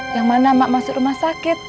yang mana mak masuk rumah sakit